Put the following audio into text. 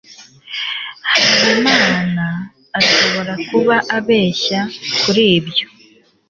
habimanaasi ashobora kuba abeshya kuri ibyo